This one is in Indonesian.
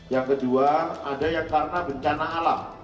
yang kedua ada yang karena bencana alam